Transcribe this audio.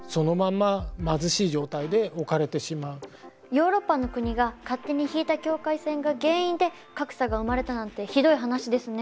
ヨーロッパの国が勝手に引いた境界線が原因で格差が生まれたなんてひどい話ですね。